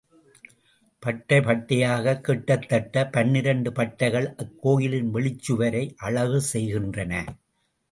பட்டை பட்டையாகக் கிட்டத்தட்ட பன்னிரெண்டு பட்டைகள் அக்கோயிலின் வெளிச்சுவரை அழகு செய்கின்றன.